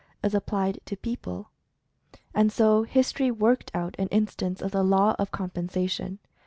as applied to people. And so history worked out an instance of the law of compensation.